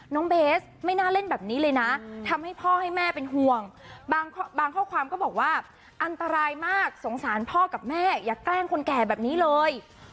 เบสไม่น่าเล่นแบบนี้เลยนะทำให้พ่อให้แม่เป็นห่วงบางข้อความก็บอกว่าอันตรายมากสงสารพ่อกับแม่อย่าแกล้งคนแก่แบบนี้เลย